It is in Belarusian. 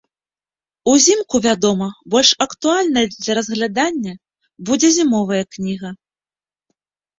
Узімку, вядома, больш актуальнай для разглядання будзе зімовая кніга.